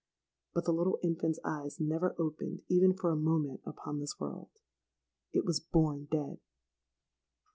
But the little infant's eyes never opened even for a moment upon this world: it was born dead!